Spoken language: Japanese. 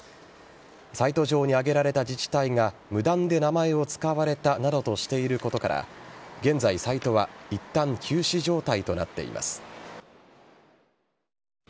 サイト上に挙げられた自治体が無断で名前を使われたなどとしていることから現在、サイトはいったん休止して休止状態となっています。